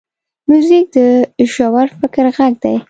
موزیک د ژور فکر غږ دی.